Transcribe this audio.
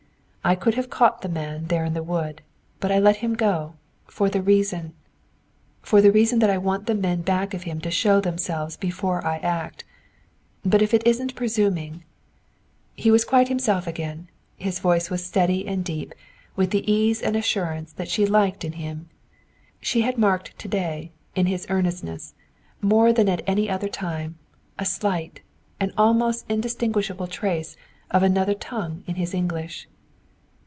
I could have caught that man there in the wood; but I let him go, for the reason for the reason that I want the men back of him to show themselves before I act. But if it isn't presuming " He was quite himself again. His voice was steady and deep with the ease and assurance that she liked in him. She had marked to day in his earnestness, more than at any other time, a slight, an almost indistinguishable trace of another tongue in his English.